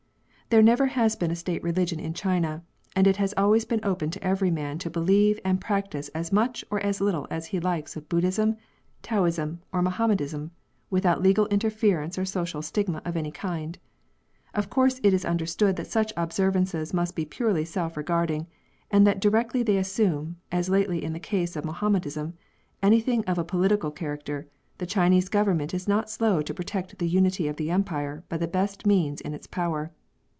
There never has been a State religion in China, and it has always been open to every man to believe and practise as much or as little as he likes of Buddhism, Taoism, or Mahomedanism, without legal interference or social stigma of any kind. Of course it is understood that such observances must be purely self regarding, and that directly they assume — as lately in the case of Mahomedanism — anything of a political character, the Chinese Government is not slow to pro tect the unity of the Empire by the best means in its power.